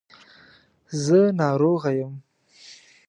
زه ناروغه یم .